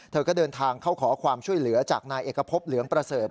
เธอก็เดินทางเข้าขอความช่วยเหลือจากนายเอกพบเหลืองประเสริฐ